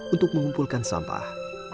untuk mengumpulkan sampah